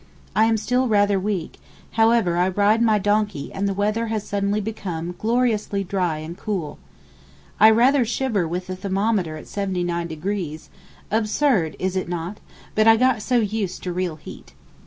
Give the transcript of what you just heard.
I am still rather weak, however I ride my donkey and the weather has suddenly become gloriously dry and cool. I rather shiver with the thermometer at 79°—absurd is it not, but I got so used to real heat.